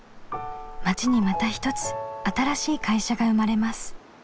町にまた一つ新しい会社が生まれます。